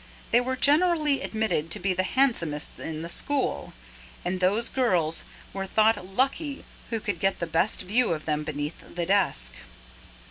They were generally admitted to be the handsomest in the school, and those girls were thought lucky who could get the best view of them beneath the desk.